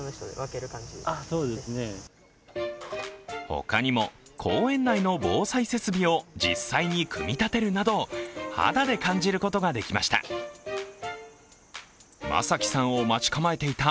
他にも公園内の防災設備を実際に組み立てるなど肌で感じることができました。